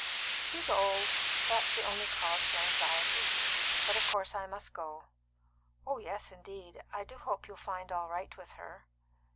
"She's old; that's the only cause for anxiety. But of course I must go." "Oh yes, indeed. I do hope you'll find all right with her."